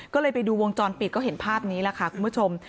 ก็เลยไปดูวงจรปิดก็เห็นภาพนี้แหละค่ะคุณผู้ชม